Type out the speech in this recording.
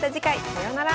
さようなら。